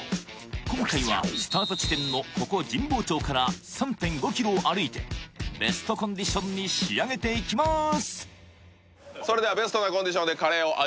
今回はスタート地点のここ神保町から３．５キロを歩いてベストコンディションに仕上げていきます